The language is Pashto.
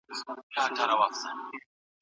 خوله يوه ښه ده خو خبرې اورېدل ښه دي